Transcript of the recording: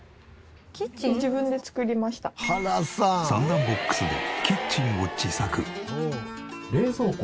３段ボックスでキッチンを自作。